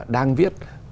đang viết hội nhà văn